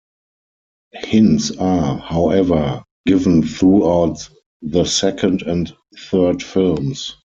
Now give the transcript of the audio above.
Hints are, however, given throughout the second and third films.